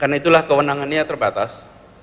karena itulah kewenangannya terbatas